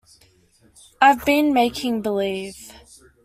I have been making believe.